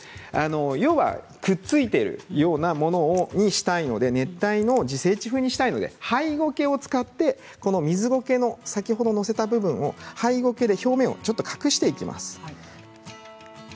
要は、くっついているようなものにしたいので熱帯の自生地風にしたいのでハイゴケを使って水ゴケを先ほど載せた部分ハイゴケで表面を隠していきます。